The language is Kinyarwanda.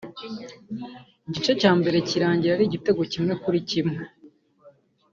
igice cya mbere kirangira ari igitego kimwe kuri kimwe